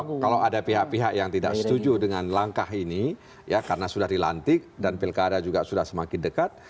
jadi kalau ada pihak pihak yang tidak setuju dengan langkah ini ya karena sudah dilantik dan pilkada juga sudah semakin dekat